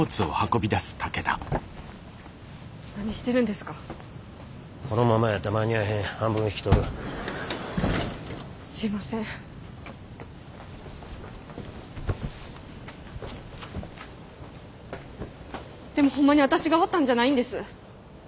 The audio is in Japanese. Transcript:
でもほんまに私が割ったんじゃないんです。